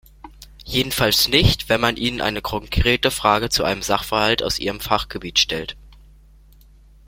Jedenfalls nicht, wenn man ihnen eine konkrete Frage zu einem Sachverhalt aus ihrem Fachgebiet stellt.